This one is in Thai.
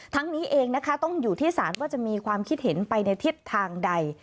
นี้เองนะคะต้องอยู่ที่ศาลว่าจะมีความคิดเห็นไปในทิศทางใด